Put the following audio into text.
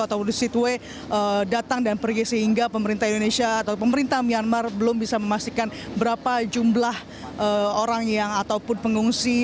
atau di seatway datang dan pergi sehingga pemerintah indonesia atau pemerintah myanmar belum bisa memastikan berapa jumlah orang yang ataupun pengungsi